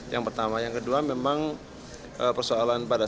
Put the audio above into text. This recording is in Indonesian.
yang pertama yang kedua memang persoalan pada